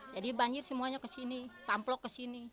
jadi banjir semuanya ke sini tampelok ke sini